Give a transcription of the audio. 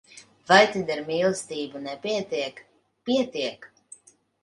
Vai tad ar mīlestību nepietiek? Pietiek!